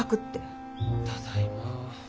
ただいま。